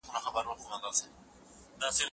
زه اوږده وخت ليکنه کوم!؟